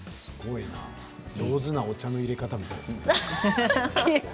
上手なお茶のいれ方みたいですね。